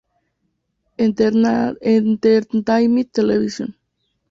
Entertainment Televisión!